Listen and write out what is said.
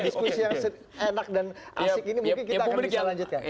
diskusi yang enak dan asik ini mungkin kita akan bisa lanjutkan